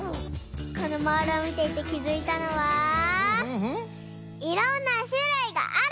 このモールをみていてきづいたのは「いろんなしゅるいがある！」